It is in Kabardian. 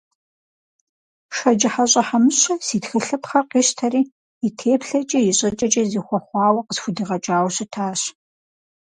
ШэджыхьэщӀэ Хьэмыщэ си тхылъыпхъэр къищтэри, и теплъэкӀи, и щӀыкӀэкӀи зэхуэхъуауэ къысхудигъэкӀауэ щытащ.